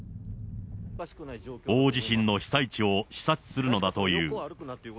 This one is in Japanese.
大地震の被災地を視察するのだという。